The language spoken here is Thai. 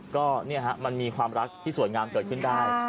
ก็มันมีความรักที่สวยงามเกิดขึ้นได้